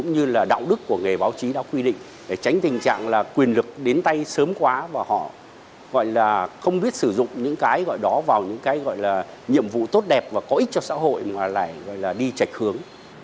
như là đạo đức của nghề báo chí đã quy định để tránh tình trạng là quyền lực đến tay sớm quá và họ gọi là không biết sử dụng những cái gọi đó vào những cái gọi là nhiệm vụ tốt đẹp và có ích cho xã hội mà lại gọi là đi chạch hướng